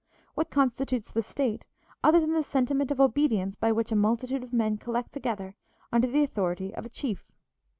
What constitutes the State other than the sentiment of obedience by which a multitude of men collect together under the authority of a chief?